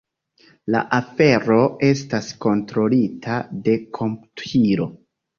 La afero estas kontrolita de komputilo.